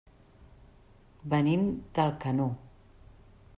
Venim d'Alcanó.